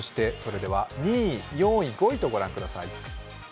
２位、４位、５位とご覧ください。